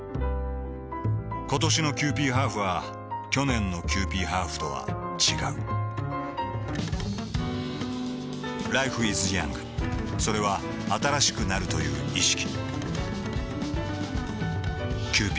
ことしのキユーピーハーフは去年のキユーピーハーフとは違うＬｉｆｅｉｓｙｏｕｎｇ．それは新しくなるという意識